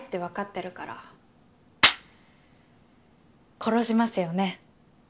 殺しますよね？